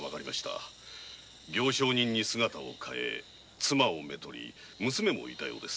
行商人に姿を変え妻をめとり娘もいたようです。